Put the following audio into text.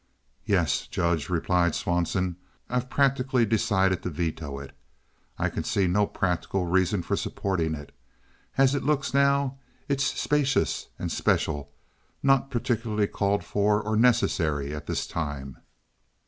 "Yes, Judge," replied Swanson, "I've practically decided to veto it. I can see no practical reason for supporting it. As I look at it now, it's specious and special, not particularly called for or necessary at this time."